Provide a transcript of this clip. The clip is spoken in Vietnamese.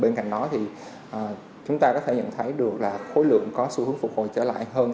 bên cạnh đó thì chúng ta có thể nhận thấy được là khối lượng có xu hướng phục hồi trở lại hơn